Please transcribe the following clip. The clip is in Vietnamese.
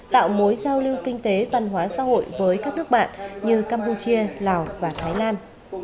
tạo mối giao lưu kinh tế văn hóa xã hội với các nước bạn như campuchia lào và thái lan